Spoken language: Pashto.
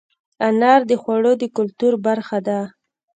انار د خوړو د کلتور برخه ده.